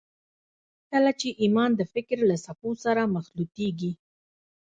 کله چې ایمان د فکر له څپو سره مخلوطېږي